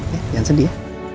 jangan sedih ya